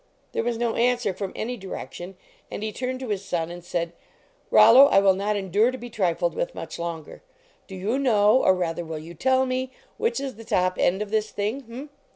" There was no answer from any direction, and he turned to his son and said :" Rollo, I will not endure to be trifled with much longer. Do you know, or rather, will you tell me, which is the top end of this thing?